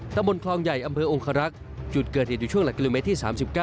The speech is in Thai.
ตำบลคลองใหญ่อำเภอองคารักษ์จุดเกิดเหตุอยู่ช่วงหลักกิโลเมตรที่๓๙